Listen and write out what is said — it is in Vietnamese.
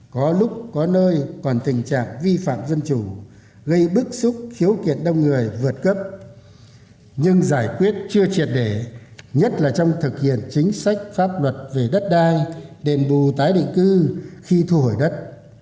có lúc có nơi còn tình trạng vi phạm dân chủ gây bức xúc khiếu kiện đông người vượt cấp nhưng giải quyết chưa triệt để nhất là trong thực hiện chính sách pháp luật về đất đai đền bù tái định cư khi thu hồi đất